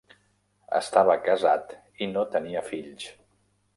Estava casat i no tenia fills.